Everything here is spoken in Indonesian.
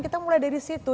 kita mulai dari situ